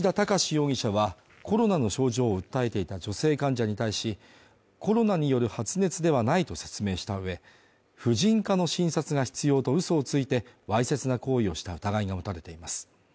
容疑者は、コロナの症状を訴えていた女性患者に対し、コロナによる発熱ではないと説明した上、婦人科の診察が必要とうそをついてわいせつな行為をした疑いが持たれています。